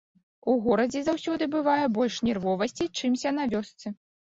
У горадзе заўсёды бывае больш нервовасці, чымся на вёсцы.